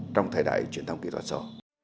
trong thời đại truyền thông kỹ thuật số